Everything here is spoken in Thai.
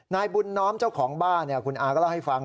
นายบุญน้อมเจ้าของบ้านคุณอาก็เล่าให้ฟัง